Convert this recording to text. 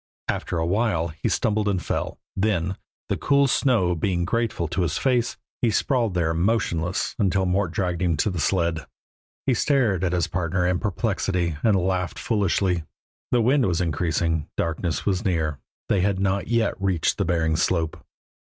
After a while he stumbled and fell, then, the cool snow being grateful to his face, he sprawled there motionless until Mort dragged him to the sled. He stared at his partner in perplexity and laughed foolishly. The wind was increasing, darkness was near, they had not yet reached the Bering slope.